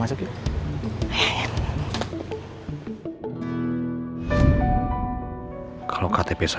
duluan tante om